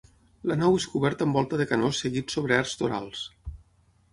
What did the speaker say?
La nau és coberta amb volta de canó seguit sobre arcs torals.